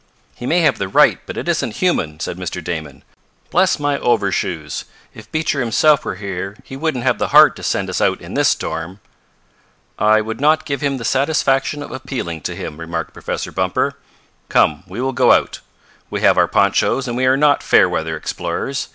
"He may have the right, but it isn't human," said Mr. Damon. "Bless my overshoes! If Beecher himself were here he wouldn't have the heart to send us out in this storm." "I would not give him the satisfaction of appealing to him," remarked Professor Bumper. "Come, we will go out. We have our ponchos, and we are not fair weather explorers.